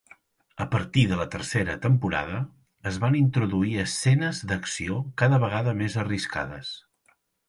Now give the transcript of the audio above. A partir de la tercera temporada, es van introduir escenes d'acció cada vegada més arriscades.